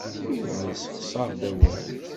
Yuba yessexṣar-d awal.